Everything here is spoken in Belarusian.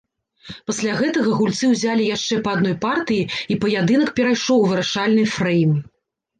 Пасля гэтага гульцы ўзялі яшчэ па адной партыі і паядынак перайшоў у вырашальны фрэйм.